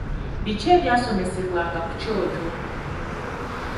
Biki ebyasomesebwanga ku kyoto?